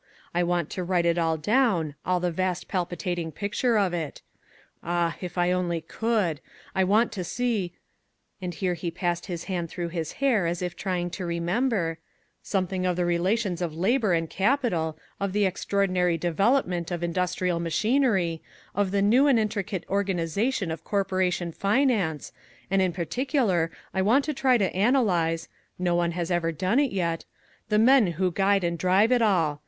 I want to write it all down, all the vast palpitating picture of it. Ah! if I only could I want to see" (and here he passed his hand through his hair as if trying to remember) "something of the relations of labour and capital, of the extraordinary development of industrial machinery, of the new and intricate organisation of corporation finance, and in particular I want to try to analyse no one has ever done it yet the men who guide and drive it all.